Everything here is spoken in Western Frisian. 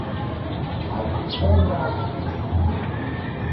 Hy koe omraak mei minsken omgean.